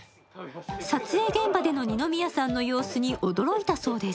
撮影現場での二宮さんの様子に驚いたそうです